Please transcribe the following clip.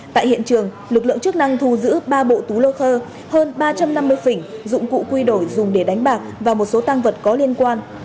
tại hiện trường lực lượng chức năng thu giữ ba bộ túi lô khơ hơn ba trăm năm mươi phỉnh dụng cụ quy đổi dùng để đánh bạc và một số tăng vật có liên quan